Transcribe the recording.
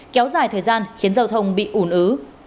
kéo dài thời gian khiến giao thông bị ủn ứ